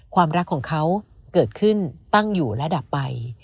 ความรักของเขาเกิดขึ้นตั้งอยู่ระดับไป